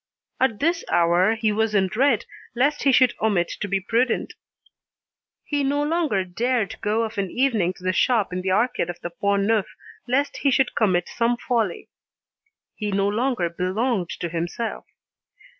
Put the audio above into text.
At this hour, he was in dread lest he should omit to be prudent. He no longer dared go of an evening to the shop in the Arcade of the Pont Neuf lest he should commit some folly. He no longer belonged to himself.